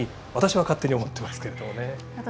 私は勝手に思ってますけれどもね。